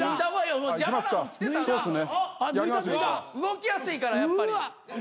・動きやすいからやっぱり。